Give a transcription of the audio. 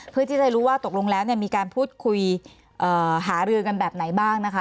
เพื่อที่จะรู้ว่าตกลงแล้วมีการพูดคุยหารือกันแบบไหนบ้างนะคะ